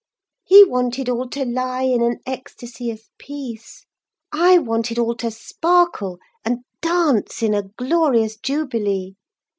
He wanted all to lie in an ecstasy of peace; I wanted all to sparkle and dance in a glorious jubilee.